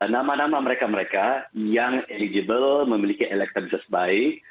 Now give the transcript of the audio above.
nama nama mereka mereka yang eligible memiliki elektronik yang sebaik